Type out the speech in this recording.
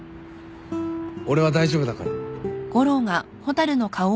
俺は大丈夫だから。